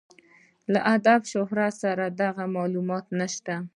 له ادبي شهرت سره د هغه معلومات نشته.